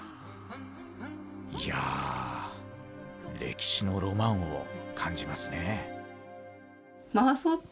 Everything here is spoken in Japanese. いや歴史のロマンを感じますね。